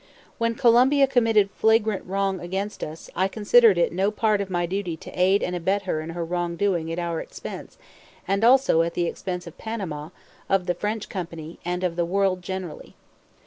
When Colombia committed flagrant wrong against us, I considered it no part of my duty to aid and abet her in her wrongdoing at our expense, and also at the expense of Panama, of the French company, and of the world generally.